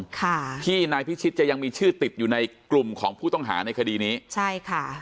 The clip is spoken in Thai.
ค่ะที่นายพิชิตจะยังมีชื่อติดอยู่ในกลุ่มของผู้ต้องหาในคดีนี้ใช่ค่ะ